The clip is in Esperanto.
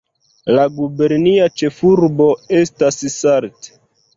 La gubernia ĉefurbo estas Salt.